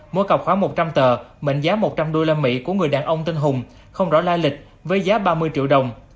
mỗi cọc khoảng một trăm linh tờ mệnh giá một trăm linh usd của người đàn ông tên hùng không rõ la lịch với giá ba mươi triệu đồng